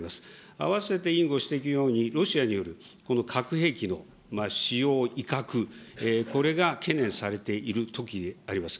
あわせて委員ご指摘のように、ロシアによる核兵器の使用、威嚇、これが懸念されているときであります。